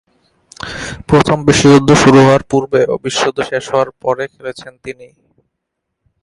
প্রথম বিশ্বযুদ্ধ শুরু হওয়ার পূর্বে ও বিশ্বযুদ্ধ শেষ হবার পরে খেলেছেন তিনি।